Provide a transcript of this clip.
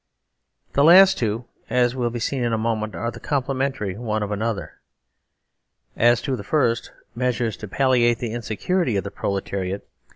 The last two, as will be seen in a moment, are com plementary one of another. As to the first: Measures to palliate the insecurity of the proletariat.